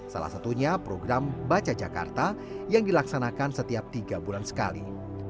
salah satunya program baca jakarta yang dilaksanakan setiap tiga bulan sekali